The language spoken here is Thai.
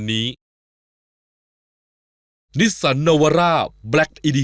ขอบคุณครับพี่